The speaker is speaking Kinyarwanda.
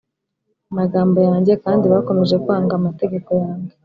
magambo yanjye kandi bakomeje kwanga amategeko yanjye